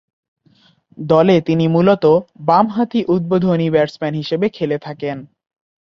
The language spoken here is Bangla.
দলে তিনি মূলতঃ বামহাতি উদ্বোধনী ব্যাটসম্যান হিসেবে খেলে থাকেন।